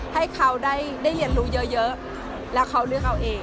ให้เขาได้เรียนรู้เยอะแล้วเขาเลือกเอาเอง